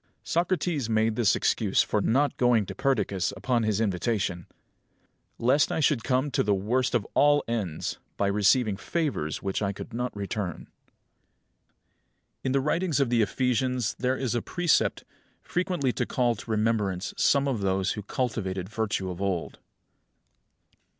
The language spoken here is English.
25. Socrates made this excuse for not going to Perdiccas upon his invitation: "Lest I should come to the worst of all ends, by receiving favours which I could not return." 26. In the writings of the Ephesians there is a precept, frequently to call to remembrance some of those who cultivated virtue of old.